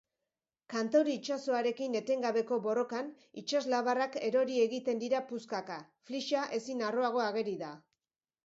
Kantauri itsasoarekin etengabeko borrokan, itsaslabarrak erori egiten dira puskaka: flyscha ezin harroago ageri da.